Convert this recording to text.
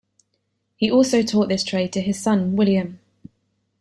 He also taught this trade to his son William.